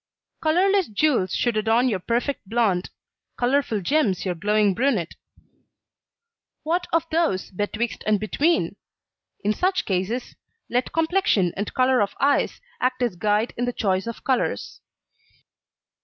Colourless jewels should adorn your perfect blond, colourful gems your glowing brunette. What of those betwixt and between? In such cases let complexion and colour of eyes act as guide in the choice of colours.